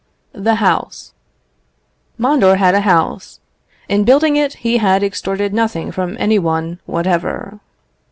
The House. Mondor had a house. In building it, he had extorted nothing from any one whatever.